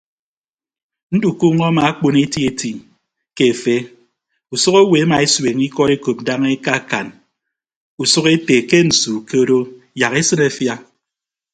Ndukuunọ amaakpon etieti ke efe usʌk owo emaesueñ ikọd ekop daña ekaakan usʌk ete ke nsu ke odo yak esịn afia.